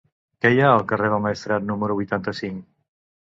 Què hi ha al carrer del Maestrat número vuitanta-cinc?